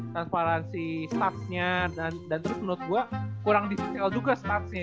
transparansi statsnya dan terus menurut gua kurang di tell juga statsnya